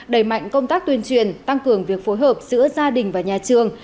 đẩy mạnh công tác tuyên truyền tăng cường việc phối hợp giữa gia đình và nhà trường